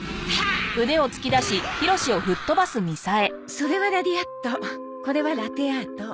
それはラリアットこれはラテアート。